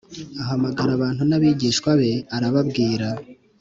Ahamagara abantu n abigishwa be arababwira